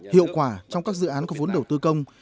hiệu quả trong các dự án có vốn đầu tư công